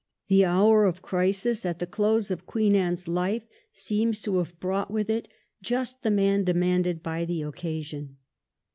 The hour of crisis at the close of Queen Anne's life seems to have brought with it just the man demanded by the occasion.